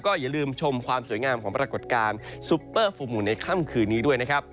อย่าลืมชมความสวยงามของปรากฏการณ์ซุปเปอร์ฟูมูลในค่ำคืนนี้ด้วยนะครับ